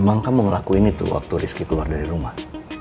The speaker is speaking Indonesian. emang kamu ngelakuin itu waktu rizky keluar dari rumah